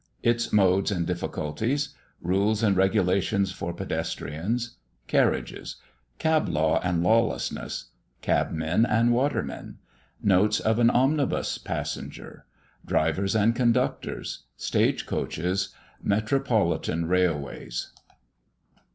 ITS MODES AND DIFFICULTIES. RULES AND REGULATIONS FOR PEDESTRIANS. CARRIAGES. CAB LAW AND LAWLESSNESS. CABMEN AND WATERMEN. NOTES OF AN OMNIBUS PASSENGER. DRIVERS AND CONDUCTORS. STAGE COACHES. METROPOLITAN RAILWAYS.